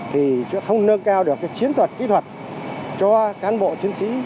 thì chúng ta không nâng cao được chiến thuật kỹ thuật cho cán bộ chiến sĩ